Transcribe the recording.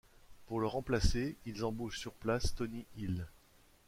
Pour le remplacer, ils embauchent sur place Tony Hill.